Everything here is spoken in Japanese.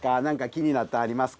気になったんありますか？